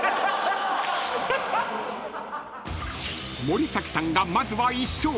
［森崎さんがまずは１勝］